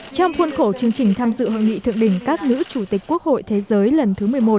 trong khuôn khổ chương trình tham dự hội nghị thượng đỉnh các nữ chủ tịch quốc hội thế giới lần thứ một mươi một